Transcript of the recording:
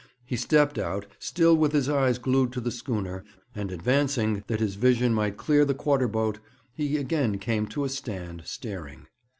He stepped out, still with his eyes glued to the schooner, and advancing, that his vision might clear the quarter boat, he again came to a stand, staring.